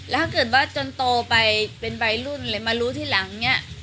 แล้วถ้าเกิดว่าจนโตไปเป็นวัยรุ่นเลยมารู้ทีหลังเนี่ย